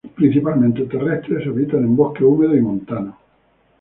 Principalmente terrestres, habitan en bosques húmedos y montanos.